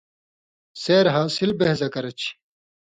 سیر حاصِل بَہزہ کرچھی۔